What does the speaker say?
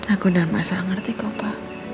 aku dan mama sama ngerti kau pa